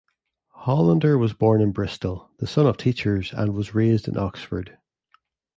Hollander was born in Bristol, the son of teachers, and was raised in Oxford.